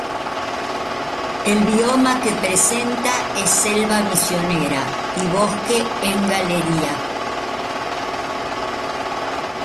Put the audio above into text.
El bioma que presenta es selva misionera y bosque en galería.